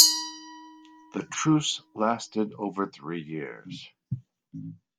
The truce lasted over three years.